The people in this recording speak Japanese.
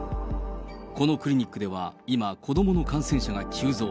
このクリニックでは今、子どもの感染者が急増。